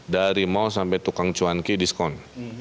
dari mal sampai tukang cuanki diskon